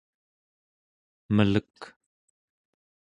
melek